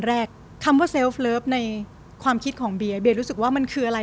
แรกคำว่าในความคิดของเบียรู้สึกว่ามันคืออะไร